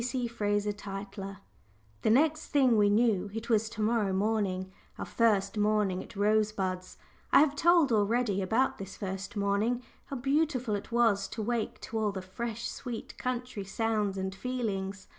C. C. FRASER TYTLER. The next thing we knew it was to morrow morning our first morning at Rosebuds! I have told already about this first morning how beautiful it was to wake to all the fresh sweet country sounds and feelings.